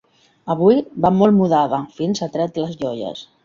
Avui va molt mudada: fins ha tret les joies.